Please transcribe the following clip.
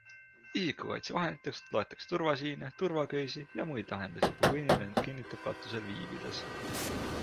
Isikukaitsevahenditeks loetakse turvasiine, turvaköisi jm. lahendusi kuhu inimene end kinnitab katusel viibides.